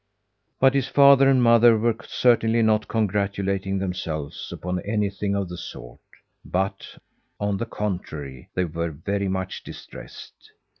But his father and mother were certainly not congratulating themselves upon anything of the sort; but, on the contrary, they were very much distressed.